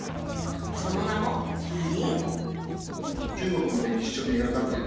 その名も麒麟！